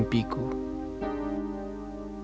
mengapa kau begitu berani padaku